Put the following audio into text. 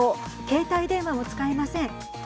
携帯電話も使えません。